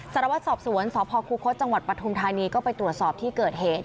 สารวัตรสอบสวนสพคุคศจังหวัดปฐุมธานีก็ไปตรวจสอบที่เกิดเหตุ